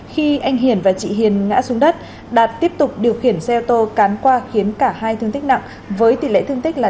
khi anh hiền và chị hiền ngã xuống đất đạt tiếp tục điều khiển xe ô tô cán qua khiến cả hai thương tích nặng với tỷ lệ thương tích là sáu mươi